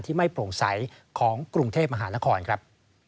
ไม่โปร่งใสของกรุงเทพมหานครครับ